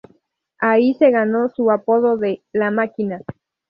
Ahí se ganó su apodo de "La Máquina".